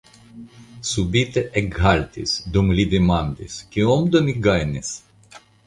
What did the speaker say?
Subite ekhaltis, dum li demandis: Kiom do mi gajnis?